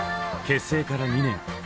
結成から２年。